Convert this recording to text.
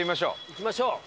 行きましょう！